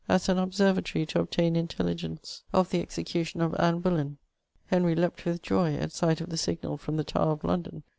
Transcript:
as an observatory to obtain intelligence of the execution of Anne Boleyn. Henry leaped with joy at sight of the signal from the Tower of London.